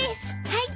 はい。